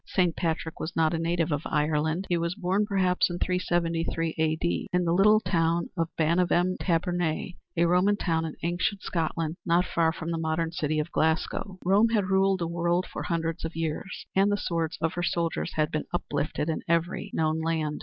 Saint Patrick was not a native of Ireland he was born, perhaps in 373 A.D., in the little town of Banavem Taberniæ, a Roman town in ancient Scotland not far from the modern city of Glasgow. Rome had ruled the world for hundreds of years and the swords of her soldiers had been uplifted in every known land.